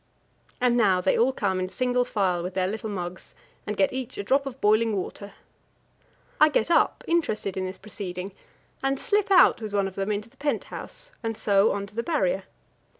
And now they all come in single file with their little mugs, and get each a drop of boiling water. I get up, interested in this proceeding, and slip out with one of them into the pent house and so on to the Barrier.